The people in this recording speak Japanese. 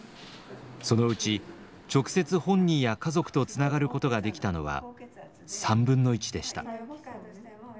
そのうち直接本人や家族とつながることができたのは３分の１でした。